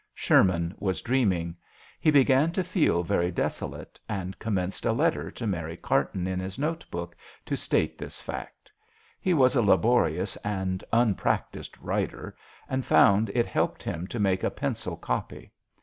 Sherman was dreaming. He began to feel very desolate, and commenced a letter to Mary Carton in his notebook to state this fact. He was a laborious and unpractised writer, and found it helped him to make a pencil copy.